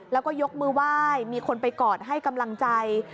แล้วก็ยกมือไหว้มีคนไปกอดให้กำลังใจ